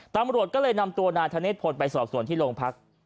ตำรวจก็เลยนำตัวนายธเนธพลไปสอบส่วนที่โรงพัก